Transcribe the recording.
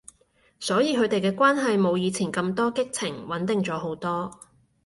所以佢哋嘅關係冇以前咁多激情，穩定咗好多